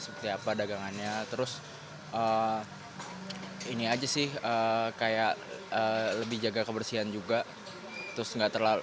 seperti apa dagangannya terus ini aja sih kayak lebih jaga kebersihan juga terus enggak terlalu